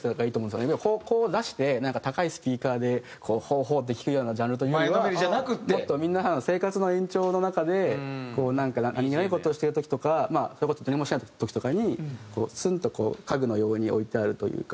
こう出して高いスピーカーでほうほうって聴くようなジャンルというよりはもっとみんな生活の延長の中で何げない事をしてる時とかそれこそ何もしない時とかにスンと家具のように置いてあるというか。